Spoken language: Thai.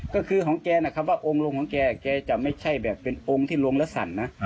ก็คือของแกนะครับว่าองค์ลงของแกแกจะไม่ใช่แบบเป็นองค์ที่ลงแล้วสั่นนะ